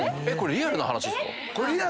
リアルな話ですよね